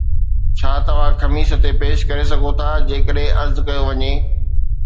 ڇا توھان خميس تي پيش ڪري سگھوٿا جيڪڏھن عرض ڪيو وڃي؟